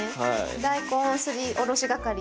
大根すりおろし係。